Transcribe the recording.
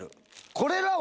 これらは。